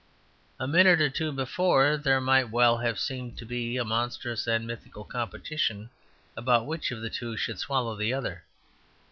A minute or two before there might well have seemed to be a monstrous and mythical competition about which of the two should swallow the other.